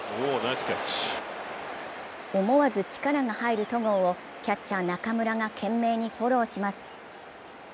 思わず力が入る戸郷をキャッチャー・中村が懸命にフォローします。